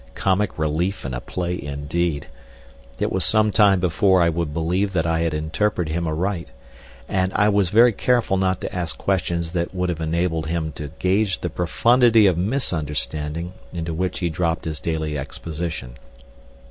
Comic relief in a play indeed! It was some time before I would believe that I had interpreted him aright, and I was very careful not to ask questions that would have enabled him to gauge the profundity of misunderstanding into which he dropped his daily exposition.